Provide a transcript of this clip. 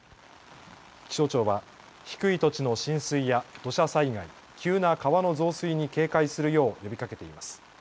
気象庁は低い土地の浸水や土砂災害、急な川の増水に警戒するよう呼びかけています。